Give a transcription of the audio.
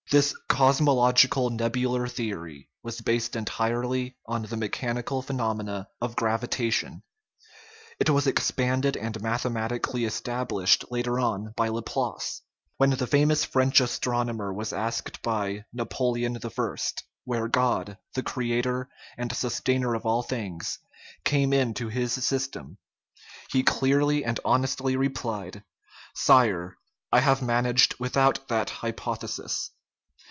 This " cosmological nebular theory " was based entirely on the mechanical phenomena of gravitation. It was ex panded and mathematically established later on by Laplace. When the famous French astronomer was asked by Napoleon I. where God, the creator and sus tainer of all things, came in in his system, he clearly and honestly replied :" Sire, I have managed with THE UNITY OF NATURE out that hypothesis."